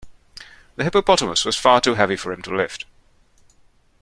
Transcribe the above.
The hippopotamus was far too heavy for him to lift.